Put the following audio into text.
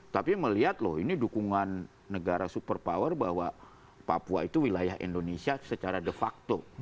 tapi melihat loh ini dukungan negara super power bahwa papua itu wilayah indonesia secara de facto